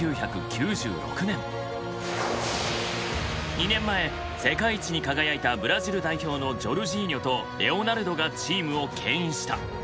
２年前世界一に輝いたブラジル代表のジョルジーニョとレオナルドがチームをけん引した。